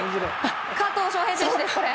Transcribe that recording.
加藤翔平選手です。